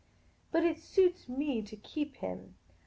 But it suits me to keep him.